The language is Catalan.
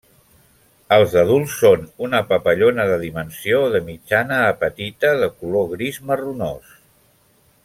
Els adults són una papallona de dimensió de mitjana a petita, de color gris marronós.